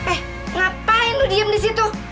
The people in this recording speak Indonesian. eh ngapain lu diem di situ